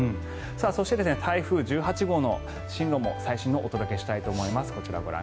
そして、台風１８号の進路も最新のをお届けしたいと思います。